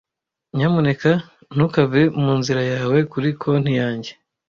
Nyamuneka ntukave mu nzira yawe kuri konti yanjye.